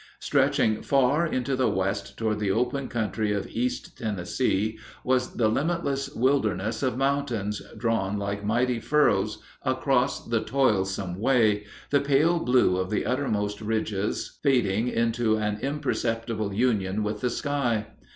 Stretching far into the west toward the open country of East Tennessee was the limitless wilderness of mountains, drawn like mighty furrows across the toilsome way, the pale blue of the uttermost ridges fading into an imperceptible union with the sky.